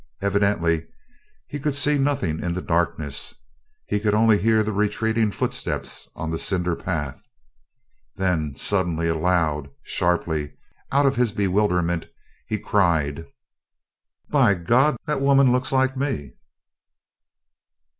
Evidently he could see nothing in the darkness he could hear only the retreating footsteps on the cinder path. Then suddenly, aloud, sharply, out of his bewilderment he cried: "By God! That woman looks like me!"